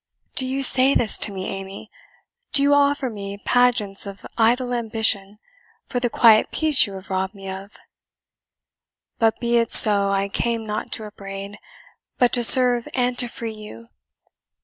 "Do you say this to me, Amy? do you offer me pageants of idle ambition, for the quiet peace you have robbed me of! But be it so I came not to upbraid, but to serve and to free you.